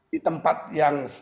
di tempat yang